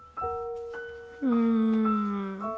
うん。